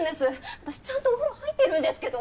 私ちゃんとお風呂入ってるんですけど。